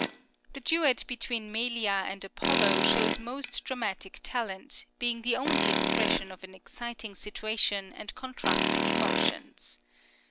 The duet between Melia and Apollo shows most dramatic talent, being the only expression of an exciting situation and contrasting emotions.